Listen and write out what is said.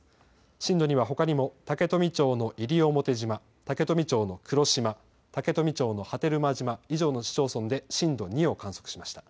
震度２はほかにも竹富町の西表島、竹富町の黒島、竹富町の波照間島、以上の市町村で震度２を観測しました。